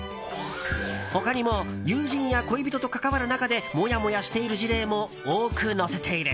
他にも友人や恋人と関わる中でモヤモヤしている事例も多く載せている。